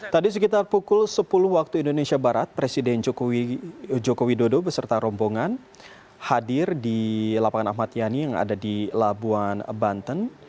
tadi sekitar pukul sepuluh waktu indonesia barat presiden joko widodo beserta rombongan hadir di lapangan ahmad yani yang ada di labuan banten